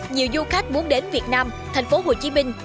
nhiều du khách muốn đến việt nam thành phố hồ chí minh